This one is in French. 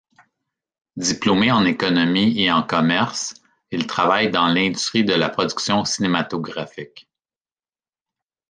Diplômé en économie et en commerce, il travaille dans l'industrie de la production cinématographique.